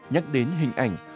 nhắc đến hình ảnh